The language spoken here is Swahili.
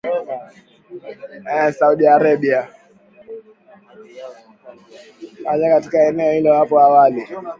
Hatua ya Saudi Arabia dhidi ya kuwanyonga wa-shia ilizua machafuko katika eneo hilo hapo awali.